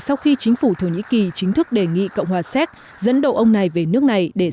sau khi chính phủ thổ nhĩ kỳ chính thức đề nghị cộng hòa xéc dẫn độ ông này về nước